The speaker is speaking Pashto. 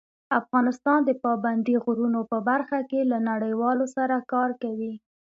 افغانستان د پابندي غرونو په برخه کې له نړیوالو سره کار کوي.